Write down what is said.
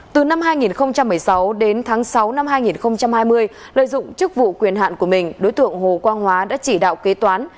từ năm hai nghìn một mươi sáu đến tháng sáu năm hai nghìn hai mươi lợi dụng chức vụ quyền hạn của mình đối tượng hồ quang hóa đã chỉ đạo kế toán